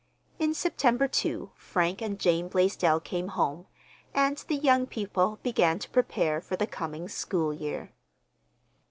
In September, too, Frank and Jane Blaisdell came home, and the young people began to prepare for the coming school year.